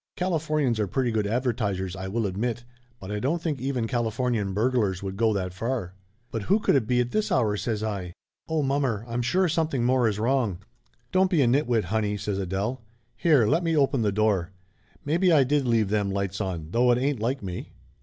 "Calif ornians are pretty good advertisers, I will admit, but I don't hardly think even Californian burg lars would go that far !" "But who could it be at this hour?" says I. "Oh, mommer, I'm sure something more is wrong !" "Don't be a nitwit, honey!" says Adele. "Here, let me open the door ! Maybe I did leave them lights on, though it ain't like me."